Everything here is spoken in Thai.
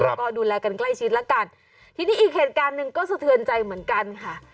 แล้วก็ดูแลกันใกล้ชิดละกันทีนี้อีกเหตุการณ์หนึ่งก็สะเทือนใจเหมือนกันค่ะ